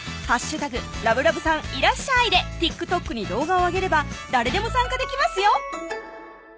「＃ラブラブさんいらっしゃい！」でＴｉｋＴｏｋに動画をあげれば誰でも参加できますよ